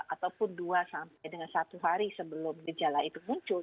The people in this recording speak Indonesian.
ataupun dua sampai dengan satu hari sebelum gejala itu muncul